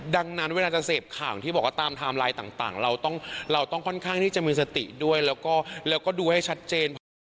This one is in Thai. ดังนั้นเวลาจะเสพข่าวที่บอกว่าตามไทม์ไลน์ต่างเราต้องเราต้องค่อนข้างที่จะมีสติด้วยแล้วก็ดูให้ชัดเจนเพราะว่า